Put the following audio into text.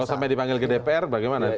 kalau sampai dipanggil ke dpr bagaimana